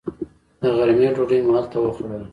د غرمې ډوډۍ مو هلته وخوړله.